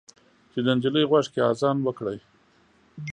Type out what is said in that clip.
چې د نجلۍ غوږ کې اذان وکړئ